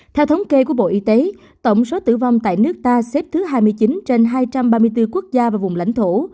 theo thống kê của bộ y tế tổng số tử vong tại nước ta xếp thứ hai mươi chín trên hai trăm ba mươi bốn quốc gia và vùng lãnh thổ